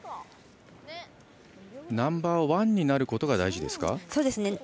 ナンバーワンになることが大事ですか？